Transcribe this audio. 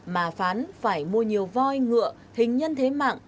mà phán phải mua nhiều voi ngựa hình nhân thế mạng